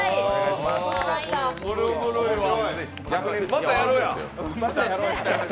またやろうや！